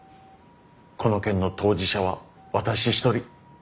この件の当事者は私一人。